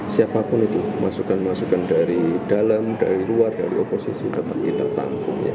siapapun itu masukan masukan dari dalam dari luar dari oposisi tetap kita tampung